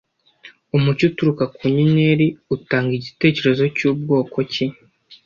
Umucyo uturuka ku nyenyeri utanga igitekerezo cyubwoko ki